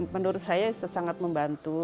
menurut saya sangat membantu